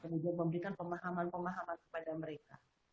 kemudian memberikan pemahaman pemahaman kepada mereka